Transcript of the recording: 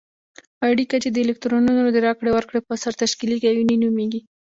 اړیکه چې د الکترونونو د راکړې ورکړې په اثر تشکیلیږي آیوني نومیږي.